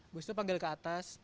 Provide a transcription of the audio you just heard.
gus itu panggil ke atas